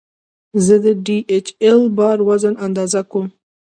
زه د ډي ایچ ایل بار وزن اندازه کوم.